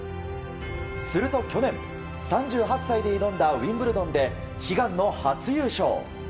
すると去年、３８歳で挑んだウィンブルドンで悲願の初優勝。